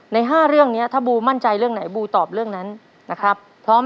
ใน๕เรื่องนี้ถ้าบูมั่นใจเรื่องไหนบูตอบเรื่องนั้นนะครับพร้อม